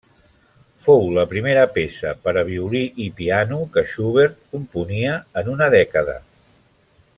Fou la primera peça per a violí i piano que Schubert componia en una dècada.